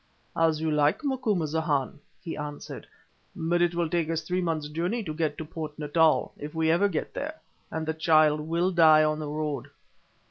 "As you like, Macumazahn," he answered, "but it will take us three months' journey to get to Port Natal, if we ever get there, and the child will die on the road.